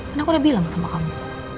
kan aku udah bilang sama kamu